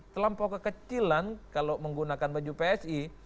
terlampau kekecilan kalau menggunakan baju psi